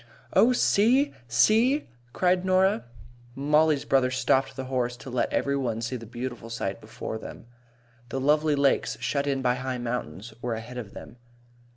"Oh, see! See!" cried Norah. Mollie's brother stopped the horse to let every one see the beautiful sight before them. The lovely lakes, shut in by high mountains, were ahead of them.